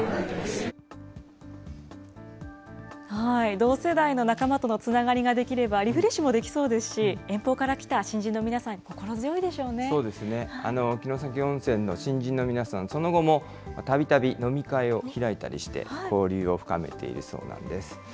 同世代の仲間とのつながりが出来れば、リフレッシュもできそうですし、遠方から来た新人の皆さん、心強そうですね、城崎温泉の新人の皆さん、その後もたびたび飲み会を開いたりして、交流を深めているそうなんです。